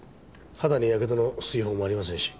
肌にやけどの水疱もありませんし。